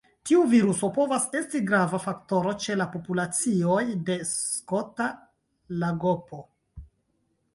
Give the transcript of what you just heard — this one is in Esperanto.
Tiu viruso povas esti grava faktoro ĉe la populacioj de Skota lagopo.